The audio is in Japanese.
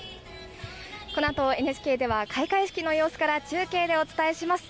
このあとＮＨＫでは、開会式の様子から中継でお伝えします。